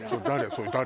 それ誰？